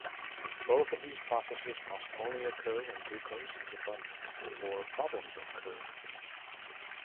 Both of these processes must only occur when glucose is abundant, or problems occur.